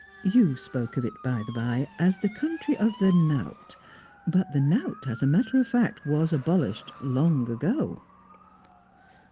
You spoke of it, by the bye, as the country of the knout; but the knout, as a matter of fact, was abolished long ago."